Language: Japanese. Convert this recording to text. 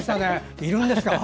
いるんですか？